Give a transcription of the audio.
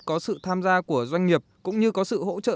của doanh nghiệp cũng như có sự hỗ trợ